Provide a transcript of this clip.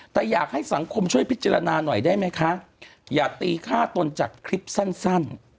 แต่อยากให้สังคมช่วยพิจารณาหน่อยได้ไหมคะอย่าตีฆ่าตนจากคลิปสั้น